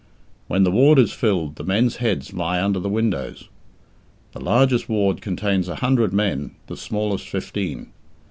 When the ward is filled, the men's heads lie under the windows. The largest ward contains a hundred men, the smallest fifteen.